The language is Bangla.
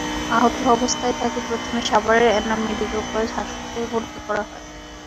আহত অবস্থায় তাঁকে প্রথমে সাভারের এনাম মেডিকেল কলেজ হাসপাতালে ভর্তি করা হয়।